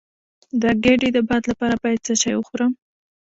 د ګیډې د باد لپاره باید څه شی وخورم؟